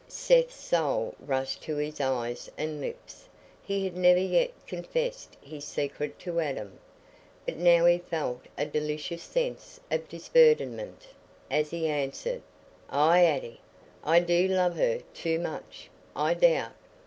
Seth's soul rushed to his eyes and lips: he had never yet confessed his secret to Adam, but now he felt a delicious sense of disburdenment, as he answered, "Aye, Addy, I do love her—too much, I doubt.